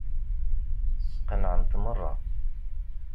Sqenɛent meṛṛa.